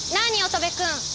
乙部君。